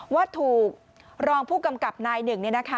ว่าถูกรองผู้กำกับนายหนึ่ง